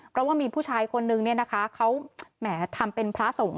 เพราะว่ามีผู้ชายคนนึงเนี่ยนะคะเขาแหมทำเป็นพระสงฆ์